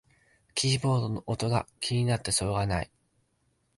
キーボードの音が気になってしょうがない